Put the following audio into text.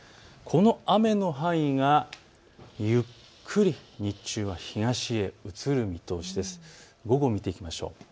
この雨の範囲がゆっくり日中は東へ移る見込みです。